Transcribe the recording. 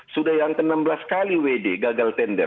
sudah yang ke enam belas kali wd gagal tender